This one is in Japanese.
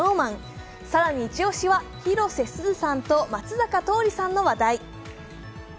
更にイチオシは広瀬すずさんと松坂桃李さんの話題。